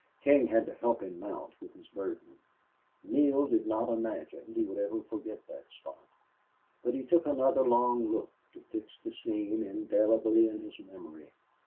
King had to help him mount with his burden. Neale did not imagine he would ever forget that spot, but he took another long look to fix the scene indelibly on his memory.